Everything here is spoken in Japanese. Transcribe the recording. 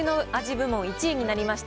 部門１位になりました